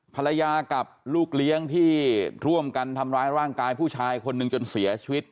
ภรรยากับลูกเลี้ยงที่ร่วมกันทำร้ายร่างกายผู้ชายคนหนึ่งจนเสียชีวิต